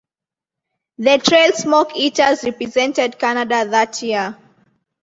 The Trail Smoke Eaters represented Canada that year.